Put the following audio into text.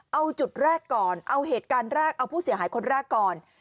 เอาจุดแรกก่อนเอาเหตุการณ์แรกเอาผู้เสียหายคนแรกก่อน